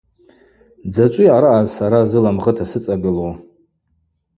Дзачӏвыйа араъа сара зыла мгъыта сыцӏагылу?